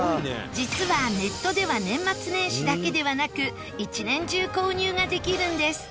実はネットでは年末年始だけではなく１年中購入ができるんです。